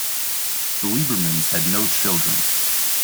The Liebermans had no children.